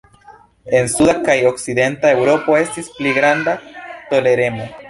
En suda kaj okcidenta Eŭropo estis pli granda toleremo.